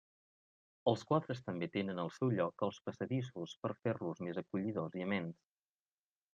Els quadres també tenen el seu lloc als passadissos per fer-los més acollidors i amens.